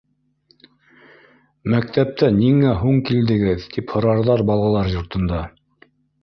Мәктәптән ниңә һуң килдегеҙ, тип һорарҙар балалар йортонда.